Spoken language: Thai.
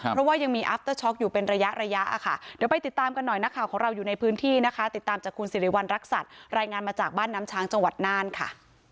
เพราะว่ายังมีอัพเตอร์ช็อกอยู่เป็นระยะระยะค่ะเดี๋ยวไปติดตามกันหน่อยนักข่าวของเราอยู่ในพื้นที่นะคะติดตามจากคุณสิริวัณรักษัตริย์รายงานมาจากบ้านน้ำช้างจังหวัดน่านค่ะ